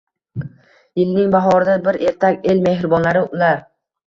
Yilning bahorida bir etak “el mehribonlari ular